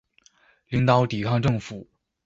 領導抵抗政府